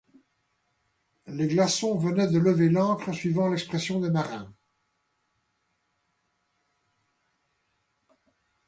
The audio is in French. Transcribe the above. Les glaçons venaient « de lever l’ancre », suivant l’expression des marins.